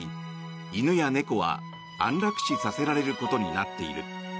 犬や猫は安楽死させられることになっている。